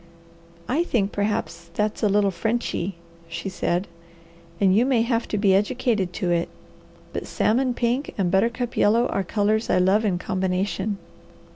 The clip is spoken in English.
"I think perhaps that's a little Frenchy," she said, "and you may have to be educated to it; but salmon pink and buttercup yellow are colours I love in combination."